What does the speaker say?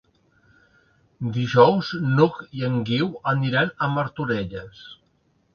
Dijous n'Hug i en Guiu aniran a Martorelles.